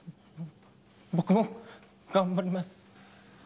僕も頑張ります。